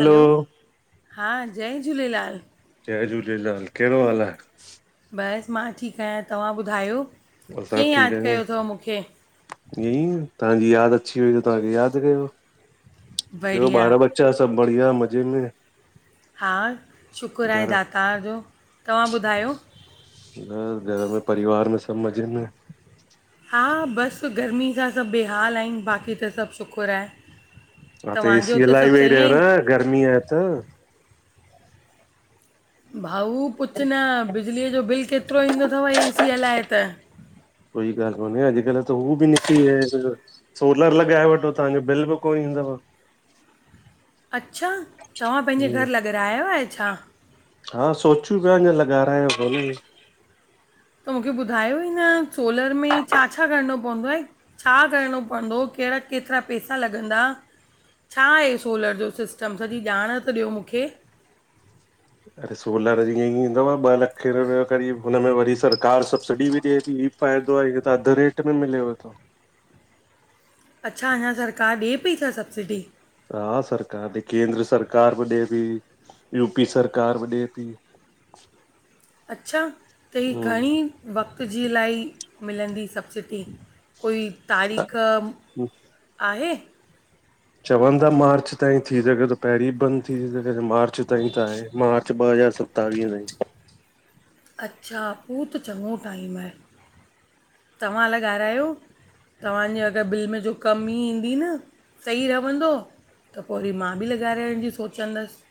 Hello, हां जय झूलेलाल जय झूलेलाल- कहिड़ो हालु आ? बसि मां ठीक आहियां, तव्हां ॿुधायो कीअं यादि कयो थव मुखे? ईंयंई तहांजी यादि अची वई, त तहांखे यादि कयो। ॿियो बढ़िया ॿार बच्चा सभु बढ़िया मज़े में हा शुकुर आहे घर दातार जो, तव्हां ॿुधायो? न घर में परिवार में सभु मज़े में? हा बसि गर्मी सां सभु बेहाल आहिनि बाक़ी त सभु शुखुर आहे। हा त ए तव्हांजे सी हुते हलाई सभु वेही सही रहियो न आहिनि गर्मी आहे त भाऊ पुछु न बिजलीअ जो बिल केतिरो ईंदो थव ए सी हलाए त। कोई गाल्हि कोन्हे अॼुकल्ह त हू बि निकरी विया हिन तुन्जो सोलर लॻाए वठो तहांजो बिल बि कोन ईंदव। अच्छा, तव्हां पंहिंजे घर हम्म, लॻरायो आहे छा? हा सोच्यू पिया अंञां लॻाराह्यो कोन्हे। त मुखे ॿुधायो, हिन सोलर में छा- छा करिणो पवंदो आहे? छा करिणो पवंदो, कहिड़ा केतिरा पैसा लॻंदा? छा हे सोलर जो सिस्टम सॼी ॼांण त ॾियो मुखे। अरे सोलर जीअं ईंदव ॿ लखे रुपया करीब, हुन मे वरी सरकार सब्सिडी बि ॾिये थी। फायदो आहे हे त अधु रेट में मिलेव थो। अच्छा, अंञां सरकार ॾे पई छा सब्सिडी? हा सरकार ॾे केंद्र सरकार बि ॾे पी, यूपी सरकार बि ॾे थी। अच्छा, त ही हम्म घणीं वक़्तु जी लाई मिलंदी सब्सिडी? कोई तारीख़ आहे। चवंन था मार्च ताईं थी सघे तो, पहिरीं बंदि थी सघे तो मार्च ताईं त आहे मार्च ॿ हज़ार स सतावींअ ताईं। अच्छा पो त चङो टाइम आहे तव्हां लॻाराहियो। तव्हांजे अगरि बिल में जो कम ई ईंदी न सही रव्हंदो त पो वरी मां बि लॻारांइण जी सोचंदसि।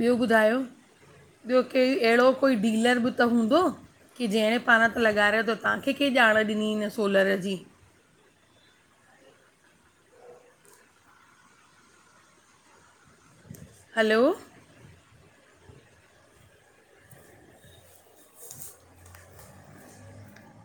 ॿियो ॿुधायो, ॿियो के अहिड़ो कोई डीलर बि त हूंदो? की जंहिड़े पण त लॻारायो त तव्हांखे केंहि ॼाण ॾिनी हिन सोलर जी? हलो